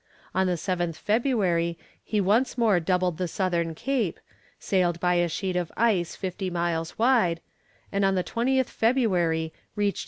On the 7th February he once more doubled the southern cape, sailed by a sheet of ice fifty miles wide, and on the 20th February reached S.